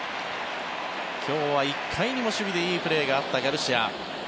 今日は１回にも守備でいいプレーがあったガルシア。